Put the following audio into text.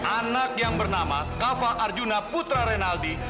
anak yang bernama kava arjuna putra renaldi